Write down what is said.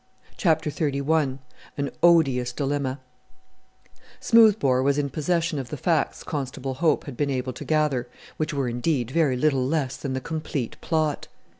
CHAPTER XXXI AN ODIOUS DILEMMA Smoothbore was in possession of the facts Constable Hope had been able to gather, which were, indeed, very little less than the complete plot.